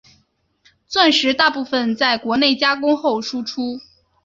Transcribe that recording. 钻石大部份在国内加工后输出。